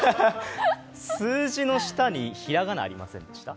数字の下にひらがなありませんでした？